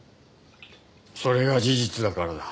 それが事実だからだ。